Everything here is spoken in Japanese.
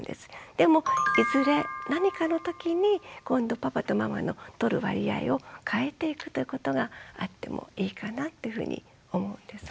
でもいずれ何かのときに今度パパとママの取る割合を変えていくということがあってもいいかなっていうふうに思うんですね。